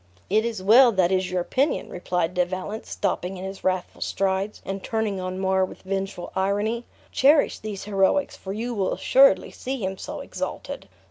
"It is well that is your opinion," replied De Valence, stopping in his wrathful strides, and turning on Mar with vengeful irony; "cherish these heroics, for you will assuredly see him so exalted.